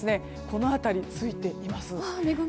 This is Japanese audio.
この辺りについています。